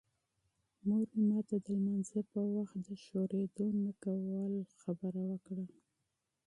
مور مې ماته د لمانځه په وخت د حرکت نه کولو نصیحت وکړ.